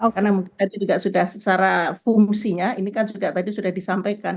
karena tadi juga sudah secara fungsinya ini kan juga tadi sudah disampaikan